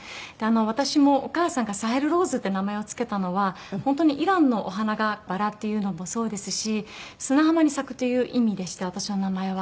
私もお母さんがサヘル・ローズっていう名前を付けたのは本当にイランのお花がバラっていうのもそうですし砂浜に咲くという意味でして私の名前は。